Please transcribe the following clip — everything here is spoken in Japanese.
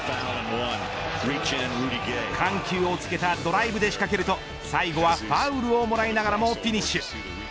緩急をつけたドライブで仕掛けると最後はファウルをもらいながらもフィニッシュ。